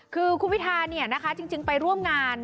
คือคุณพิธาจริงไปร่วมงาน